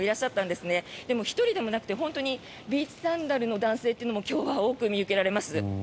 でも、１人でもなくてビーチサンダルの男性というのも今日は多く見受けられます。